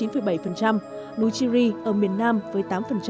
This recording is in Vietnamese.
nui chiri ở miền nam với tám